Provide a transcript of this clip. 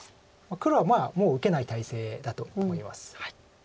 黒はまあもう受けない態勢だと思います。